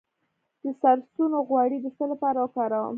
د سرسونو غوړي د څه لپاره وکاروم؟